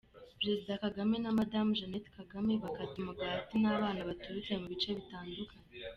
Perezida Kagame na Madamu Jeannette Kagame bakata umugati n'abana baturutse mu bice bitandukanye.